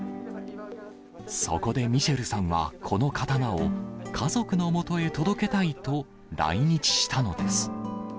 そこでミシェルさんは、この刀を家族のもとへ届けたいと、来日したのです。